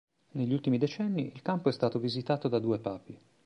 Negli ultimi decenni, il campo è stato visitato da due Papi.